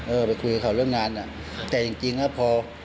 เออไปคุยกับเขาเรื่องงานอ่ะแต่จริงจริงแล้วพอ